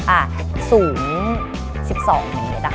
อ่ะศูนย์๑๒เมตรอะค่ะ